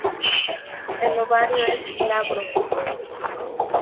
El ovario es glabro.